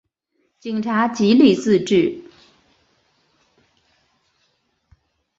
警察极力自制